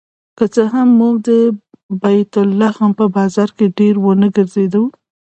که څه هم موږ د بیت لحم په بازار کې ډېر ونه ګرځېدو.